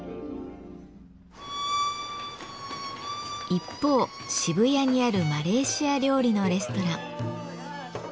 一方渋谷にあるマレーシア料理のレストラン。